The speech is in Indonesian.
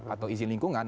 atau izin lingkungan